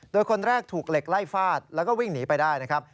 โดยคนแรกถูกเหล็กไล่ฟาดแล้วก็วิ่งหนีไปได้นะครับ